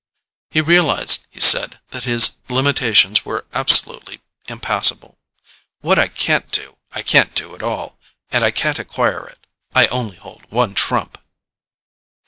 He realized, he said, that his limitations were absolutely impassable. "What I can't do, I can't do at all, and I can't acquire it. I only hold one trump."